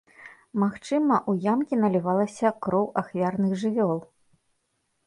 Магчыма, у ямкі налівалася а кроў ахвярных жывёл.